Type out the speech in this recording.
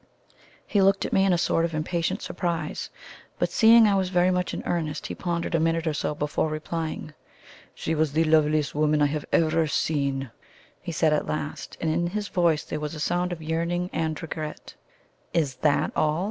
He looked at me in a sort of impatient surprise, but seeing I was very much in earnest, he pondered a minute or so before replying. "She was the loveliest woman I have ever seen!" he said at last, and in his voice there was a sound of yearning and regret. "Is THAT all?"